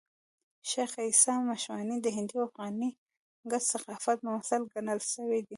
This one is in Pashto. شېخ عیسي مشواڼي د هندي او افغاني ګډ ثقافت ممثل ګڼل سوى دئ.